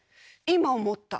今思った？